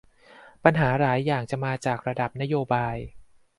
ปัญหาหลายอย่างจะมาจากระดับนโยบาย